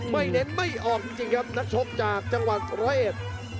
ไม่เน้นไม่ออกจริงครับนักชกจากจังหวัดเรศ